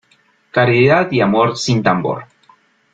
Caridad y amor, sin tambor.